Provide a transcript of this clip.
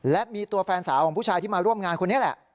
และมีตัวแฟนสาวของผู้ชายที่มาร่วมงานคนนี้แหละ